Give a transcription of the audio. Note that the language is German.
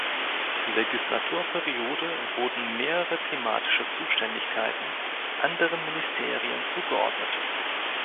Legislaturperiode wurden mehrere thematische Zuständigkeiten anderen Ministerien zugeordnet.